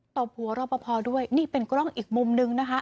ตบหัวรอปภด้วยนี่เป็นกล้องอีกมุมนึงนะคะ